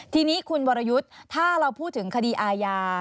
ทีนี้คุณวรยุทธ์ถ้าเราพูดถึงคดีอาญา